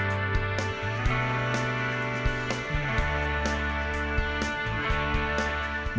tidak ada bagian kita yang bisa kita lihat